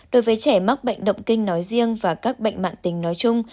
đối với trẻ mắc bệnh động kinh nói riêng và các bệnh mạng tính nói chung